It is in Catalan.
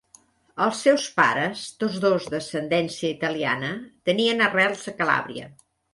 Els seus pares, tots dos d'ascendència italiana, tenien arrels a Calàbria.